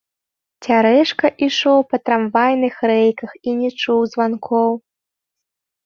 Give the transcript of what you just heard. Цярэшка ішоў па трамвайных рэйках і не чуў званкоў.